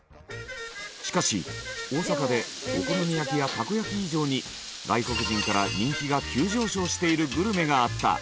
しかし大阪でお好み焼きやたこ焼き以上に外国人から人気が急上昇しているグルメがあった。